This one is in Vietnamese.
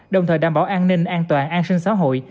đồng thời đảm bảo an ninh an toàn an sinh xã hội